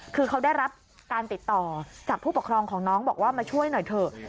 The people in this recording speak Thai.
คือเขาได้รับการติดต่อจากผู้ปกครองของน้องบอกว่ามาช่วยหน่อยเถอะ